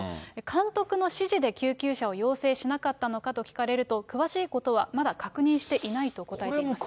監督の指示で救急車を要請しなかったのかと聞かれると、詳しいことはまだ確認していないと答えています。